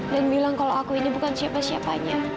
dan bilang kalau aku ini bukan siapa siapanya